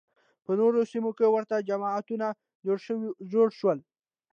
په نورو سیمو کې ورته جماعتونه جوړ شول